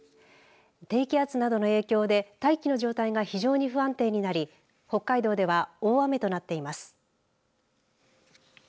低気圧などの影響で大気の状態が非常に不安定になり北海道では大雨となっています。